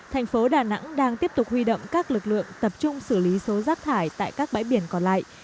thành phố đà nẵng đang tiếp tục huy động các lực lượng tập trung xử lý số rác thải tại các bãi biển còn lại